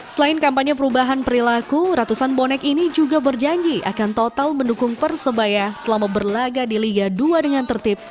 selain kampanye perubahan perilaku ratusan bonek ini juga berjanji akan total mendukung persebaya selama berlaga di liga dua dengan tertib